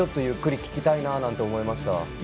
ゆっくり聞きたいなと思いました。